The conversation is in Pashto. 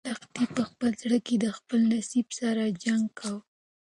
لښتې په خپل زړه کې د خپل نصیب سره جنګ کاوه.